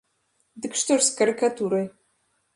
Дык што ж з карыкатурай?